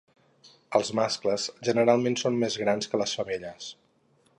Els mascles generalment són més grans que les femelles.